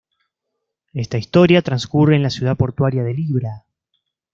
Esta historia transcurre en la ciudad portuaria de Libra.